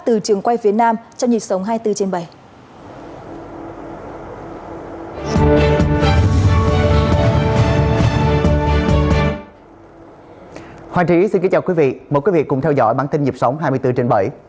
từ trường quay phía nam trong dịp sống hai mươi bốn trên bảy